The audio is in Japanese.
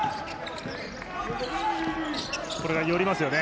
これが寄りますよね。